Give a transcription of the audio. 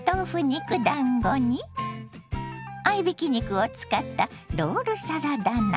肉だんごに合いびき肉を使ったロールサラダ菜。